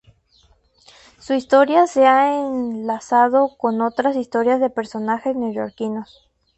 Su historia se va enlazando con otras historias de personajes neoyorquinos.